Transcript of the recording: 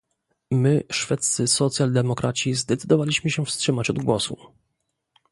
My szwedzcy socjaldemokraci zdecydowaliśmy się wstrzymać od głosu